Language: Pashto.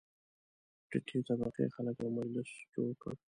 ټیټې طبقې خلک یو مجلس جوړ کړ.